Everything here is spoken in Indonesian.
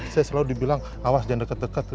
saya selalu dibilang awas jangan dekat dekat